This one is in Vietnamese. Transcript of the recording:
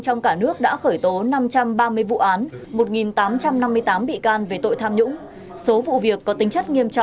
trong cả nước đã khởi tố năm trăm ba mươi vụ án một tám trăm năm mươi tám bị can về tội tham nhũng số vụ việc có tính chất nghiêm trọng